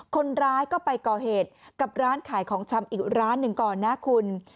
คนร้ายก็ไปก่อเหตุกับร้านขายของชำอีกร้านหนึ่งก่อนนะคุณ